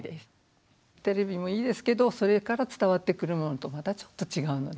テレビもいいですけどそれから伝わってくるものとまたちょっと違うので。